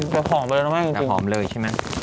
แต่หอมเลยนะไม่รู้จักแต่หอมเลยใช่ไหม